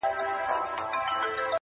قاسم یار مین پر داسي جانانه دی,